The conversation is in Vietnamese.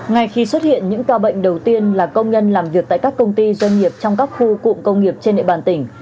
ngay khi xuất hiện những ca bệnh đầu tiên là công nhân làm việc tại các công ty doanh nghiệp trong các khu cụm công nghiệp trên địa bàn tỉnh